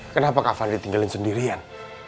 kenapa kafan ditinggalin sendirian